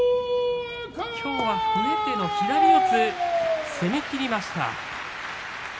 きょうは不得手の左四つで攻めきりました。